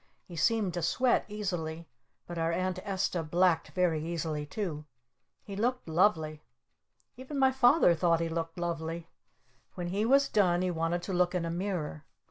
He seemed to sweat easily! But our Aunt Esta blacked very easily too! He looked lovely! Even my Father thought he looked lovely! When he was done he wanted to look in a mirror.